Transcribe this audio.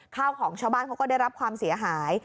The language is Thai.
ข้าวของชาวบ้านเขาก็ได้รับความเสียหาย